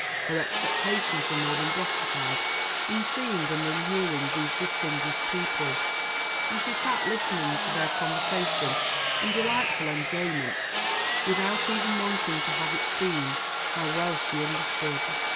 Her expectations were more than gratified in seeing and in hearing these distinguished people, and she sat listening to their conversation in delightful enjoyment, without even wanting to have it seen how well she understood.